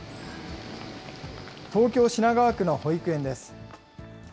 東京・品川区の保育園です。